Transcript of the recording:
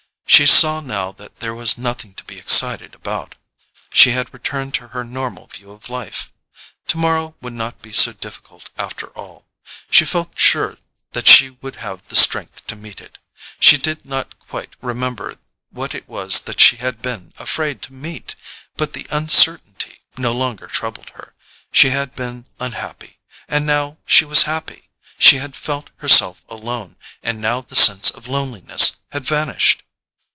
She saw now that there was nothing to be excited about—she had returned to her normal view of life. Tomorrow would not be so difficult after all: she felt sure that she would have the strength to meet it. She did not quite remember what it was that she had been afraid to meet, but the uncertainty no longer troubled her. She had been unhappy, and now she was happy—she had felt herself alone, and now the sense of loneliness had vanished.